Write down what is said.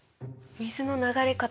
水の流れ方。